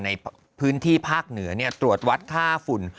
ในพื้นที่ภาคเหนือตรวจวัดค่าฝุ่น